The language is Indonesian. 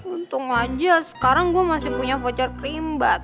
untung aja sekarang gue masih punya voucher kerimbat